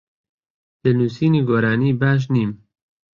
لە نووسینی گۆرانی باش نیم.